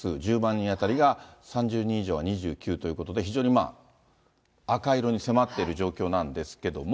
人当たりが３０人以上が２９人ということで、非常に赤色に迫っている状況なんですけども。